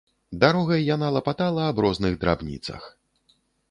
Дарогай яна лапатала аб розных драбніцах.